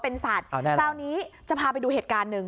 เป็นสัตว์อ้าวแน่นอนตอนนี้จะพาไปดูเหตุการณ์หนึ่ง